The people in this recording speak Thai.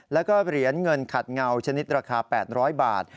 แล้วก็เหรียญเงินขัดเงาชนิดราคา๘๐๐บาท